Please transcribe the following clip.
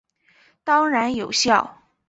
当然有效！